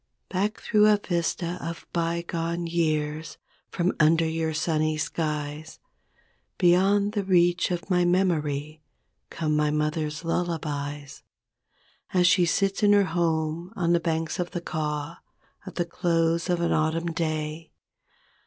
Back through a vista of bygone years. From under your sunny skies, Beyond the reach of my memory Come my mother's lullabies. As she sits in her home on the banks of the Kaw At the close of an autumn day.